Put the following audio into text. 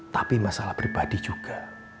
tapi masalah pribadi juga